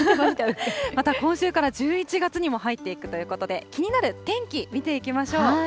また今週から１１月にも入っていくということで、気になる天気、見ていきましょう。